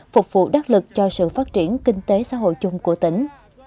phục vụ đắc lực cho sự phát triển kinh tế xã hội chung của tỉnh